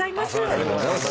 ありがとうございます。